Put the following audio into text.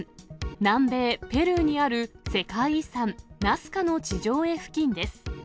南米ペルーにある世界遺産、ナスカの地上絵付近です。